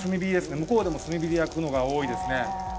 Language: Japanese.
向こうでも炭火で焼くのが多いですね